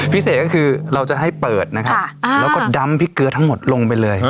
พิเศษก็คือเราจะให้เปิดนะครับแล้วก็ดำพริกเกลือทั้งหมดลงไปเลย